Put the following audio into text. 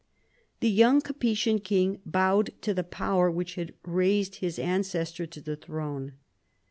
The young Capetian king bowed to the power which had raised his ancestor to the throne.